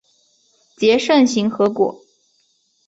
结肾形核果。